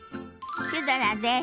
シュドラです。